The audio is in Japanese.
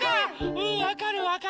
うんわかるわかる。